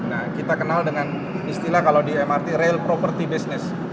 nah kita kenal dengan istilah kalau di mrt rail property business